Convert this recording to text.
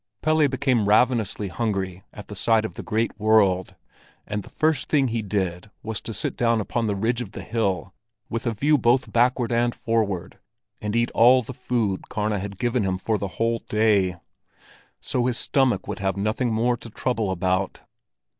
Pelle became ravenously hungry at the sight of the great world, and the first thing he did was to sit down upon the ridge of the hill with a view both backward and forward, and eat all the food Karna had given him for the whole day. So his stomach would have nothing more to trouble about!